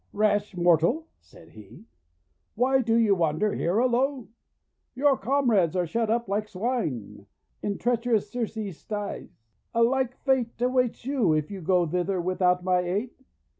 "Rash mortal!'1 said he. "Why do you wander here alone? Your comrades are shut up like Swine hi treach erous Circe's sties. A like fate awaits you, if you go thither without my aid.